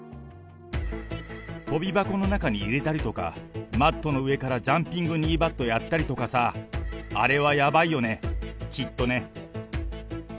跳び箱の中に入れたりとか、マットの上からジャンピング・ニーバットやったりとかさ、あれはやばいよね、きっとね。